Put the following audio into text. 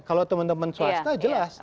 kalau teman teman swasta jelas